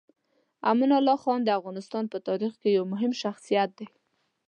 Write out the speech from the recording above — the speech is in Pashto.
امان الله خان د افغانستان په تاریخ کې یو مهم شخصیت دی.